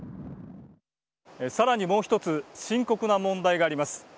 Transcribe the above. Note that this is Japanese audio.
さらにもう１つ深刻な問題があります。